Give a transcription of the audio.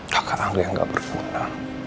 kakak angge yang gak berguna